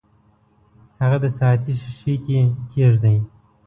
هغه د ساعتي ښيښې کې کیږدئ.